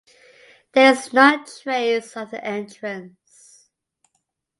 There is no trace of the entrance.